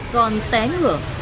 còn té ngửa